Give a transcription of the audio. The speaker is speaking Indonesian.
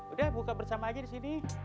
udah buka bersama aja di sini